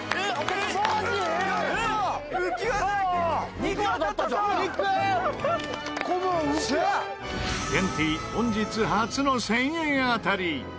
ケンティー本日初の１０００円当たり。